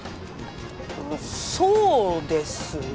まあそうですね。